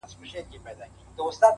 • چي له ستوني دي آواز نه وي وتلی -